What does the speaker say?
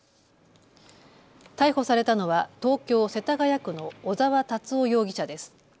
逮捕されたのは東京世田谷区の小澤龍雄容疑者です。